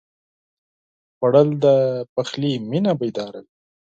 خوړل د پخلي مېنه بیداروي